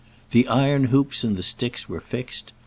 The iron hoops and the sticks were fixed.